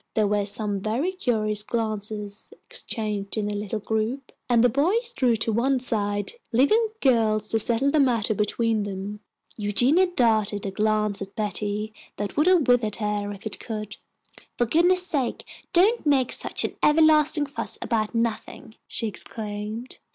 There were some very curious glances exchanged in the little group, and the boys drew to one side, leaving the girls to settle the matter between them. Eugenia darted a glance at Betty that would have withered her if it could. "For goodness' sake don't make such an everlasting fuss about nothing," she exclaimed.